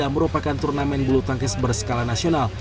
merupakan turnamen bulu tangkis berskala nasional